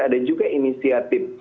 ada juga inisiatif